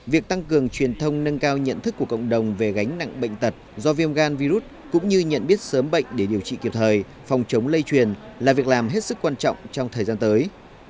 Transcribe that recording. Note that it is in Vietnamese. việc tăng cường truyền thông nâng cao nhận thức của cộng đồng về gánh nặng bệnh tật do viêm gan virus cũng như nhận biết sớm bệnh để điều trị kịp thời phòng chống lây truyền là việc làm hết sức quan trọng trong thời gian tới